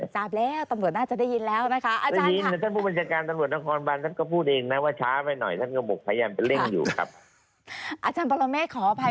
สามารถแล้วตำรวจน่าจะได้ยินแล้วนะครับ